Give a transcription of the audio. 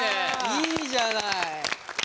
いいじゃない。